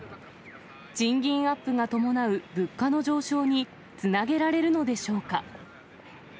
賃金アップが伴う物価の上昇につなげられるのでしょうか。